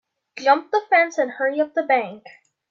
Jump the fence and hurry up the bank.